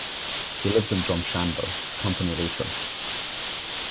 He lives in Drumshanbo, Company Leitrim.